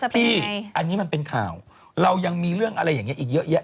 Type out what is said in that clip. พี่อันนี้มันเป็นข่าวเรายังมีเรื่องอะไรอย่างนี้อีกเยอะแยะ